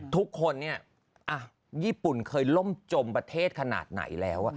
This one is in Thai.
ทุกคนเนี่ยญี่ปุ่นเคยล่มจมประเทศขนาดไหนแล้ว